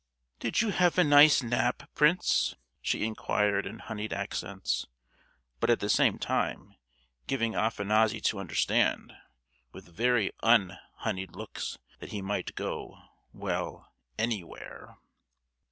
"Did you have a nice nap, prince?" she inquired in honied accents; but at the same time giving Afanassy to understand, with very un honied looks that he might go—well, anywhere!